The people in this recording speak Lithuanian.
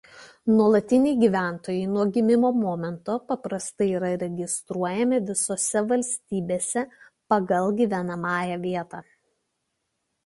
Nuolatiniai gyventojai nuo gimimo momento paprastai yra registruojami visose valstybėse pagal gyvenamąją vietą.